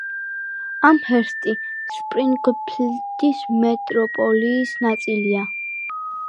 ამჰერსტი სპრინგფილდის მეტროპოლიის ნაწილია.